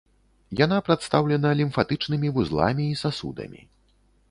Яна прадстаўлена лімфатычнымі вузламі і сасудамі.